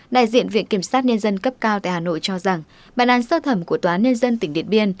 đại diện viện kiểm sát nhân dân cấp cao tại hà nội cho rằng bản án sơ thẩm của tòa án nhân dân tỉnh điện biên